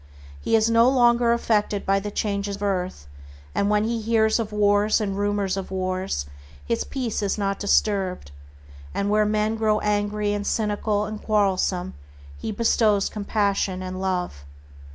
He is no longer affected by the changes of earth, and when he hears of wars and rumors of wars his peace is not disturbed, and where men grow angry and cynical and quarrelsome, he bestows compassion and love.